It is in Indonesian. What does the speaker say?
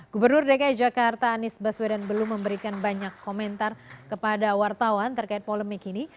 gubernur dki jakarta anies baswedan belum memberikan banyak komentar kepada wartawan terkait polemik ini